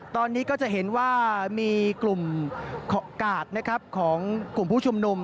ตอนนี้ก็จะเห็นว่ามีกลุ่มกาดนะครับของกลุ่มผู้ชุมนุม